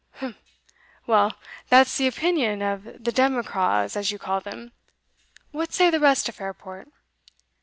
"Umph! well, that's the opinion of the democraws, as you call them What say the rest o' Fairport?"